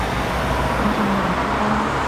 我仲練緊波